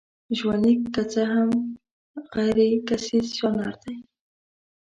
ژوندلیک که څه هم غیرکیسیز ژانر دی.